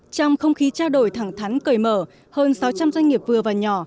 trong không khí trao đổi thẳng thắn cởi mở hơn sáu trăm linh doanh nghiệp vừa và nhỏ